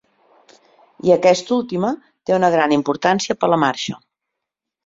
I aquesta última té una gran importància per la marxa.